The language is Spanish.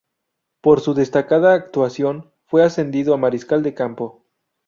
Por su destacada actuación, fue ascendido a Mariscal de Campo.